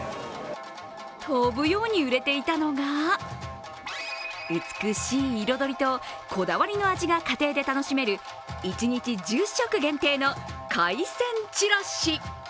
飛ぶように売れていたのが美しい彩りと、こだわりの味が家庭で楽しめる一日１０食限定の海鮮ちらし。